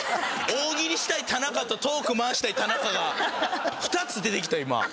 大喜利したい田中とトーク回したい田中が２つ出てきた今。